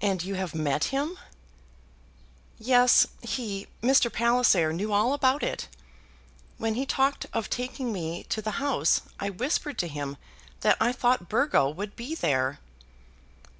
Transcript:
"And you have met him?" "Yes; he Mr. Palliser knew all about it. When he talked of taking me to the house, I whispered to him that I thought Burgo would be there."